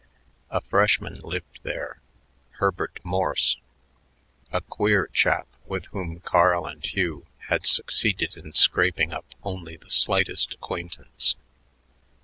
A freshman lived there, Herbert Morse, a queer chap with whom Carl and Hugh had succeeded in scraping up only the slightest acquaintance.